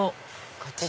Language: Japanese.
こっち